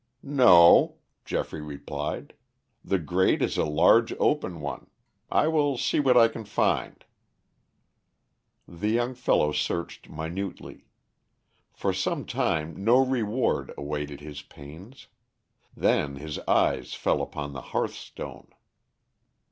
"No," Geoffrey replied. "The grate is a large open one. I will see what I can find." The young fellow searched minutely. For some time no reward awaited his pains. Then his eyes fell upon the hearthstone.